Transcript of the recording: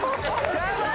頑張れ！